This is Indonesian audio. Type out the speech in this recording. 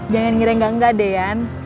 jangan ngira enggak enggak deyan